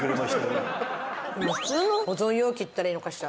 でも普通の保存容器って言ったらいいのかしら。